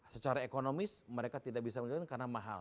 secara ekonomis mereka tidak bisa menunjukkan karena mahal